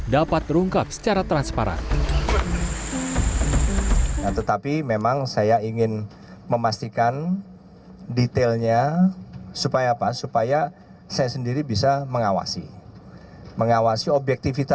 dapat rungkap secara transaktif